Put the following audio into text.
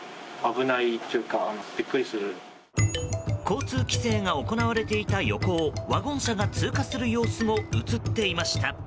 交通規制が行われていた横をワゴン車が通過する様子も映っていました。